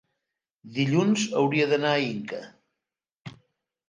Dilluns hauria d'anar a Inca.